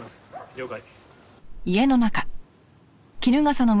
了解。